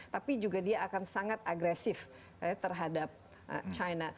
tapi juga dia akan sangat agresif terhadap china